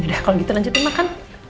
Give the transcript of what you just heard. udah kalau gitu lanjutin makan